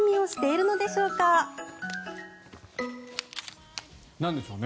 なんでしょうね。